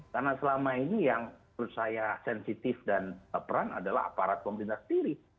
karena selama ini yang menurut saya sensitif dan berperan adalah aparat pemerintah sendiri